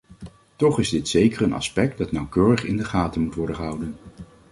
Toch is dit zeker een aspect dat nauwkeurig in de gaten moet worden gehouden.